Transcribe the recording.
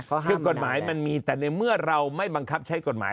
คือกฎหมายมันมีแต่ในเมื่อเราไม่บังคับใช้กฎหมาย